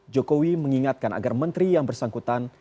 jokowi mengingatkan agar menteri yang bersangkutan